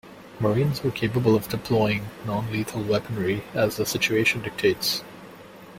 Marines are capable of deploying non-lethal weaponry as the situation dictates.